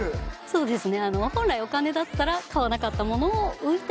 そうですね。